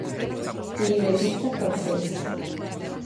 Libretista francés.